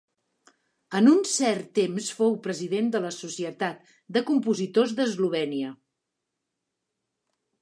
En un cert temps fou President de la Societat de Compositors d'Eslovènia.